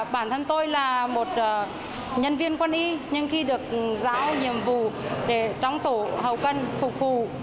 bản thân tôi là một nhân viên quân y nhưng khi được giáo nhiệm vụ để tróng tổ hậu cần phục vụ